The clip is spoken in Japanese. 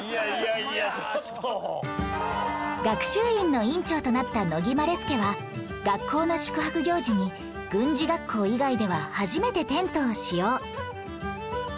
学習院の院長となった乃木希典は学校の宿泊行事に軍事学校以外では初めてテントを使用